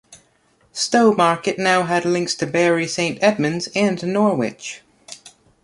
Stowmarket now had links to Bury Saint Edmunds and Norwich.